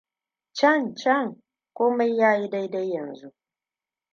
Can, can. Komai ya yi dai-dai yanzu.